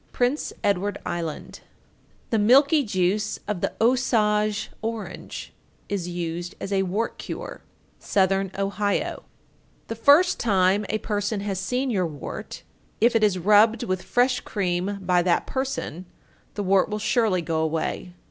Prince Edward Island. 896. The milky juice of the Osage orange is used as a wart cure. Southern Ohio. 897. The first time a person has seen your wart, if it is rubbed with fresh cream by that person, the wart will surely go away.